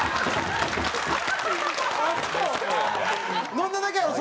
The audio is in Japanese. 飲んだだけやの？